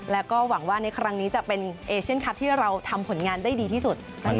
แล้วก็หวังว่าในครั้งนี้จะเป็นเอเชียนคลับที่เราทำผลงานได้ดีที่สุด